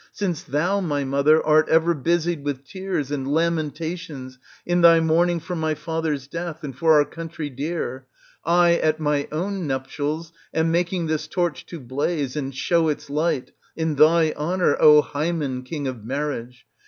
Since thou, my mother, art ever busied with tears and lamen tations in thy mourning for my father's death and for our country dear, I at my own nuptials am making this torch to blaze and show its light, in thy honour, O Hymen, king of marriage!